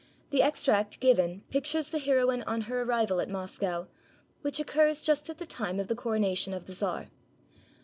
The extract given pictures the heroine on her arrival at Moscow, which occurs just at the time of the coro nation of the czar.